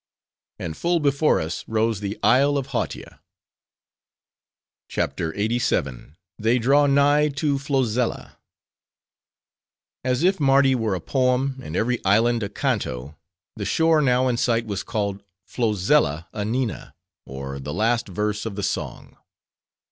And, full before us, rose the isle of Hautia. CHAPTER LXXXVII. They Draw Nigh To Flozella As if Mardi were a poem, and every island a canto, the shore now in sight was called Flozella a Nina, or The Last Verse of the Song.